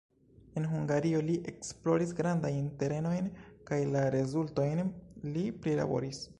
En Hungario li esploris grandajn terenojn kaj la rezultojn li prilaboris.